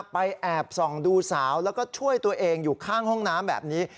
แอบส่องดูสาวแล้วก็ช่วยตัวเองอยู่ข้างห้องน้ำแบบนี้